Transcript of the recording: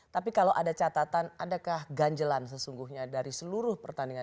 tapi kalau ada catatan adakah ganjelan sesungguhnya dari seluruh pertandingan